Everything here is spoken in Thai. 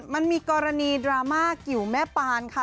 มันมีกรณีดราม่ากิ๋วแม่ปานค่ะ